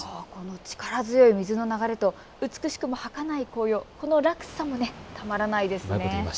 力強い水の流れと美しくもはかない紅葉、この落差もたまらないですね。